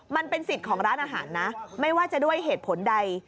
มันเป็นสิทธิ์ของร้านอาหารนะไม่ว่าจะด้วยเหตุผลใด